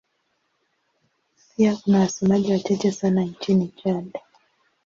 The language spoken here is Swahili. Pia kuna wasemaji wachache sana nchini Chad.